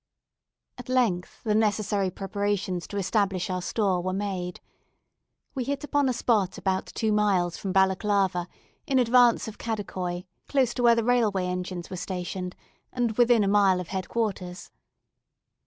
At length the necessary preparations to establish our store were made. We hit upon a spot about two miles from Balaclava, in advance of Kadikoi, close to where the railway engines were stationed, and within a mile of head quarters.